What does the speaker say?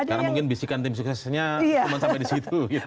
karena mungkin bisikan tim suksesnya cuma sampai di situ gitu ya